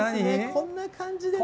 こんな感じでね。